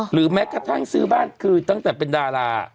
แม้กระทั่งซื้อบ้านคือตั้งแต่เป็นดารา